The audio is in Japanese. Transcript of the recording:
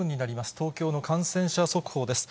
東京の感染者速報です。